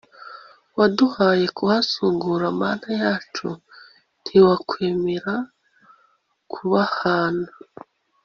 waduhaye kuhazungura Mana yacu ntiwakwemera kubahana